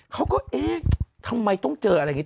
เขาก็เอ๊ะทำไมต้องเจออะไรอย่างนี้